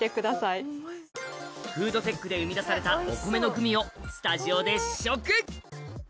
フードテックで生み出されたお米のグミをスタジオで試食